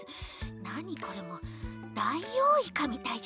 なにこれもうダイオウイカみたいじゃない。